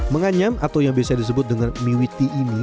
menganyam atau yang biasa disebut dengan miwiti ini